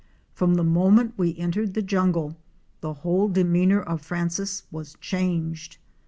From the moment we entered the jungle the whole demeanor of Francis was changed.